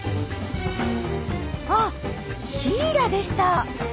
あっシイラでした。